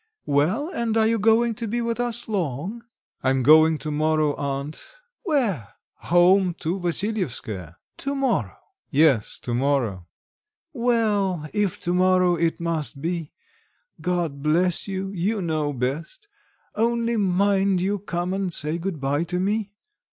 Well, and are you going to be with us for long?" "I am going to morrow, aunt." "Where?" "Home to Vassilyevskoe." "To morrow?" "Yes, to morrow." "Well, if to morrow it must be. God bless you you know best. Only mind you come and say good bye to me."